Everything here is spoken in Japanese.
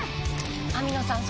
網野さん